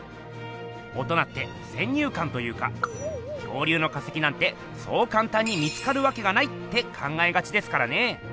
大人って先入かんというか「恐竜の化石なんてそうかんたんに見つかるわけがない」って考えがちですからね。